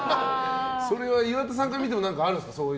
それは岩田さんから見てもあるんですか？